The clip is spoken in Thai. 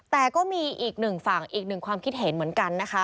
แต่ก็มีอีกหนึ่งฝั่งอีกหนึ่งความคิดเห็นเหมือนกันนะคะ